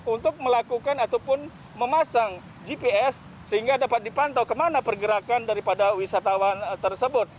untuk melakukan ataupun memasang gps sehingga dapat dipantau kemana pergerakan daripada wisatawan tersebut